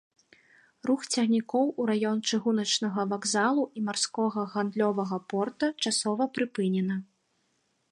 Рух цягнікоў у раён чыгуначнага вакзалу і марскога гандлёвага порта часова прыпынена.